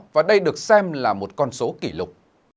và đây được xem là một con số kỷ lục